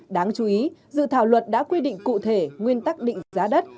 đáng chú ý dự thảo luật đã quy định cụ thể nguyên tắc định giá đất